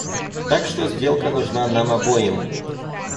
Так что сделка нужна нам обоим.